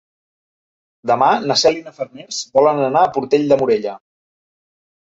Demà na Cel i na Farners volen anar a Portell de Morella.